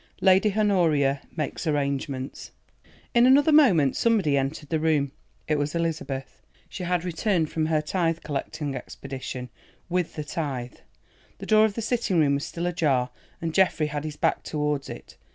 LADY HONORIA MAKES ARRANGEMENTS In another moment somebody entered the room; it was Elizabeth. She had returned from her tithe collecting expedition—with the tithe. The door of the sitting room was still ajar, and Geoffrey had his back towards it.